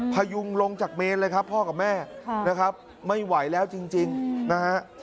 พยุงลงจากเมนเลยครับพ่อกับแม่นะครับไม่ไหวแล้วจริงนะฮะ